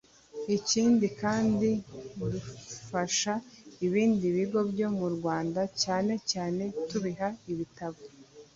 Ikindi kandi dufasha ibindi bigo byo mu Rwanda cyane cyane tubiha ibitabo